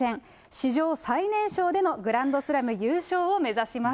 史上最年少でのグランドスラム優勝を目指します。